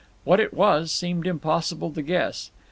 What it was, seemed impossible to guess.